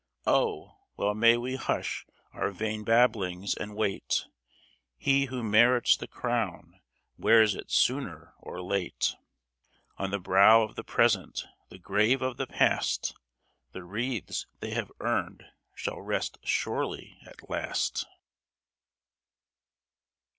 Oh ! well may we hush our vain babblings — and wait ! He who merits the crown, wears it sooner or late ! On the brow of the Present, the grave of the Past, The wreaths they have earned shall rest surely at last